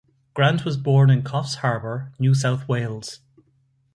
Grant was born in Coffs Harbour, New South Wales.